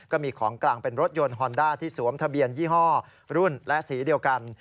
ของกลางเป็นรถยนต์ฮอนด้าที่สวมทะเบียนยี่ห้อรุ่นและสีเดียวกัน